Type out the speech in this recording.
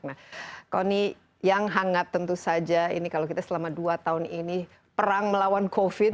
nah kony yang hangat tentu saja ini kalau kita selama dua tahun ini perang melawan covid